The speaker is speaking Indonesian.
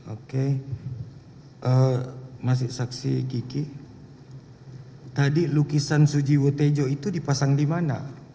oke masih saksi kiki tadi lukisan sujiwo tejo itu dipasang di mana